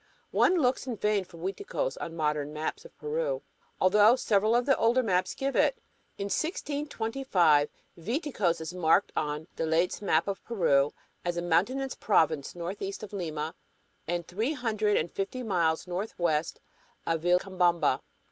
One looks in vain for Uiticos on modern maps of Peru, although several of the older maps give it. In 1625 "Viticos" is marked on de Laet's map of Peru as a mountainous province northeast of Lima and three hundred and fifty miles northwest of Vilcabamba!